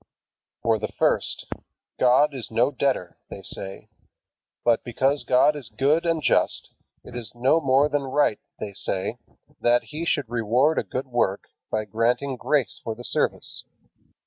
For the first, God is no debtor, they say; but because God is good and just, it is no more than right (they say) that He should reward a good work by granting grace for the service.